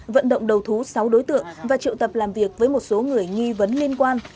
vận động đầu thú sáu đối tượng và triệu tập làm việc với một số người nghi vấn liên quan